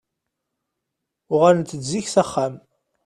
Uɣalent-d zik s axxam.